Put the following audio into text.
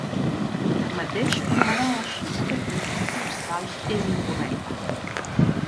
Tanmateix, anomenar així aquest tipus de finestrals és incorrecte.